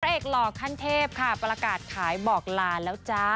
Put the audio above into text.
เอกหล่อขั้นเทพค่ะประกาศขายบอกลาแล้วจ้า